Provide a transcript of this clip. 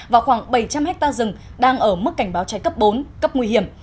và khoảng bảy trăm linh hectare rừng đang ở mức cảnh báo cháy cấp bốn cấp nguy hiểm